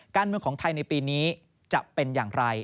การเมืองของไทยในปีนี้จะเป็นอย่างไร